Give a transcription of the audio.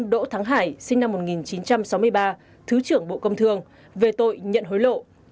đỗ thắng hải sinh năm một nghìn chín trăm sáu mươi ba thứ trưởng bộ công thương về tội nhận hối lộ